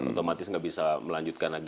otomatis nggak bisa melanjutkan lagi